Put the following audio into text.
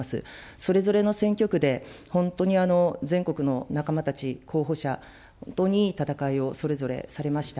それぞれの選挙区で、本当に全国の仲間たち、候補者、本当にいい戦いをそれぞれされました。